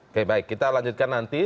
oke baik kita lanjutkan nanti